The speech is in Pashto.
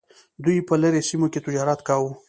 دوی په لرې سیمو کې تجارت کاوه.